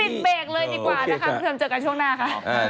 อีกคู่หนึ่งฮั่นไอซ์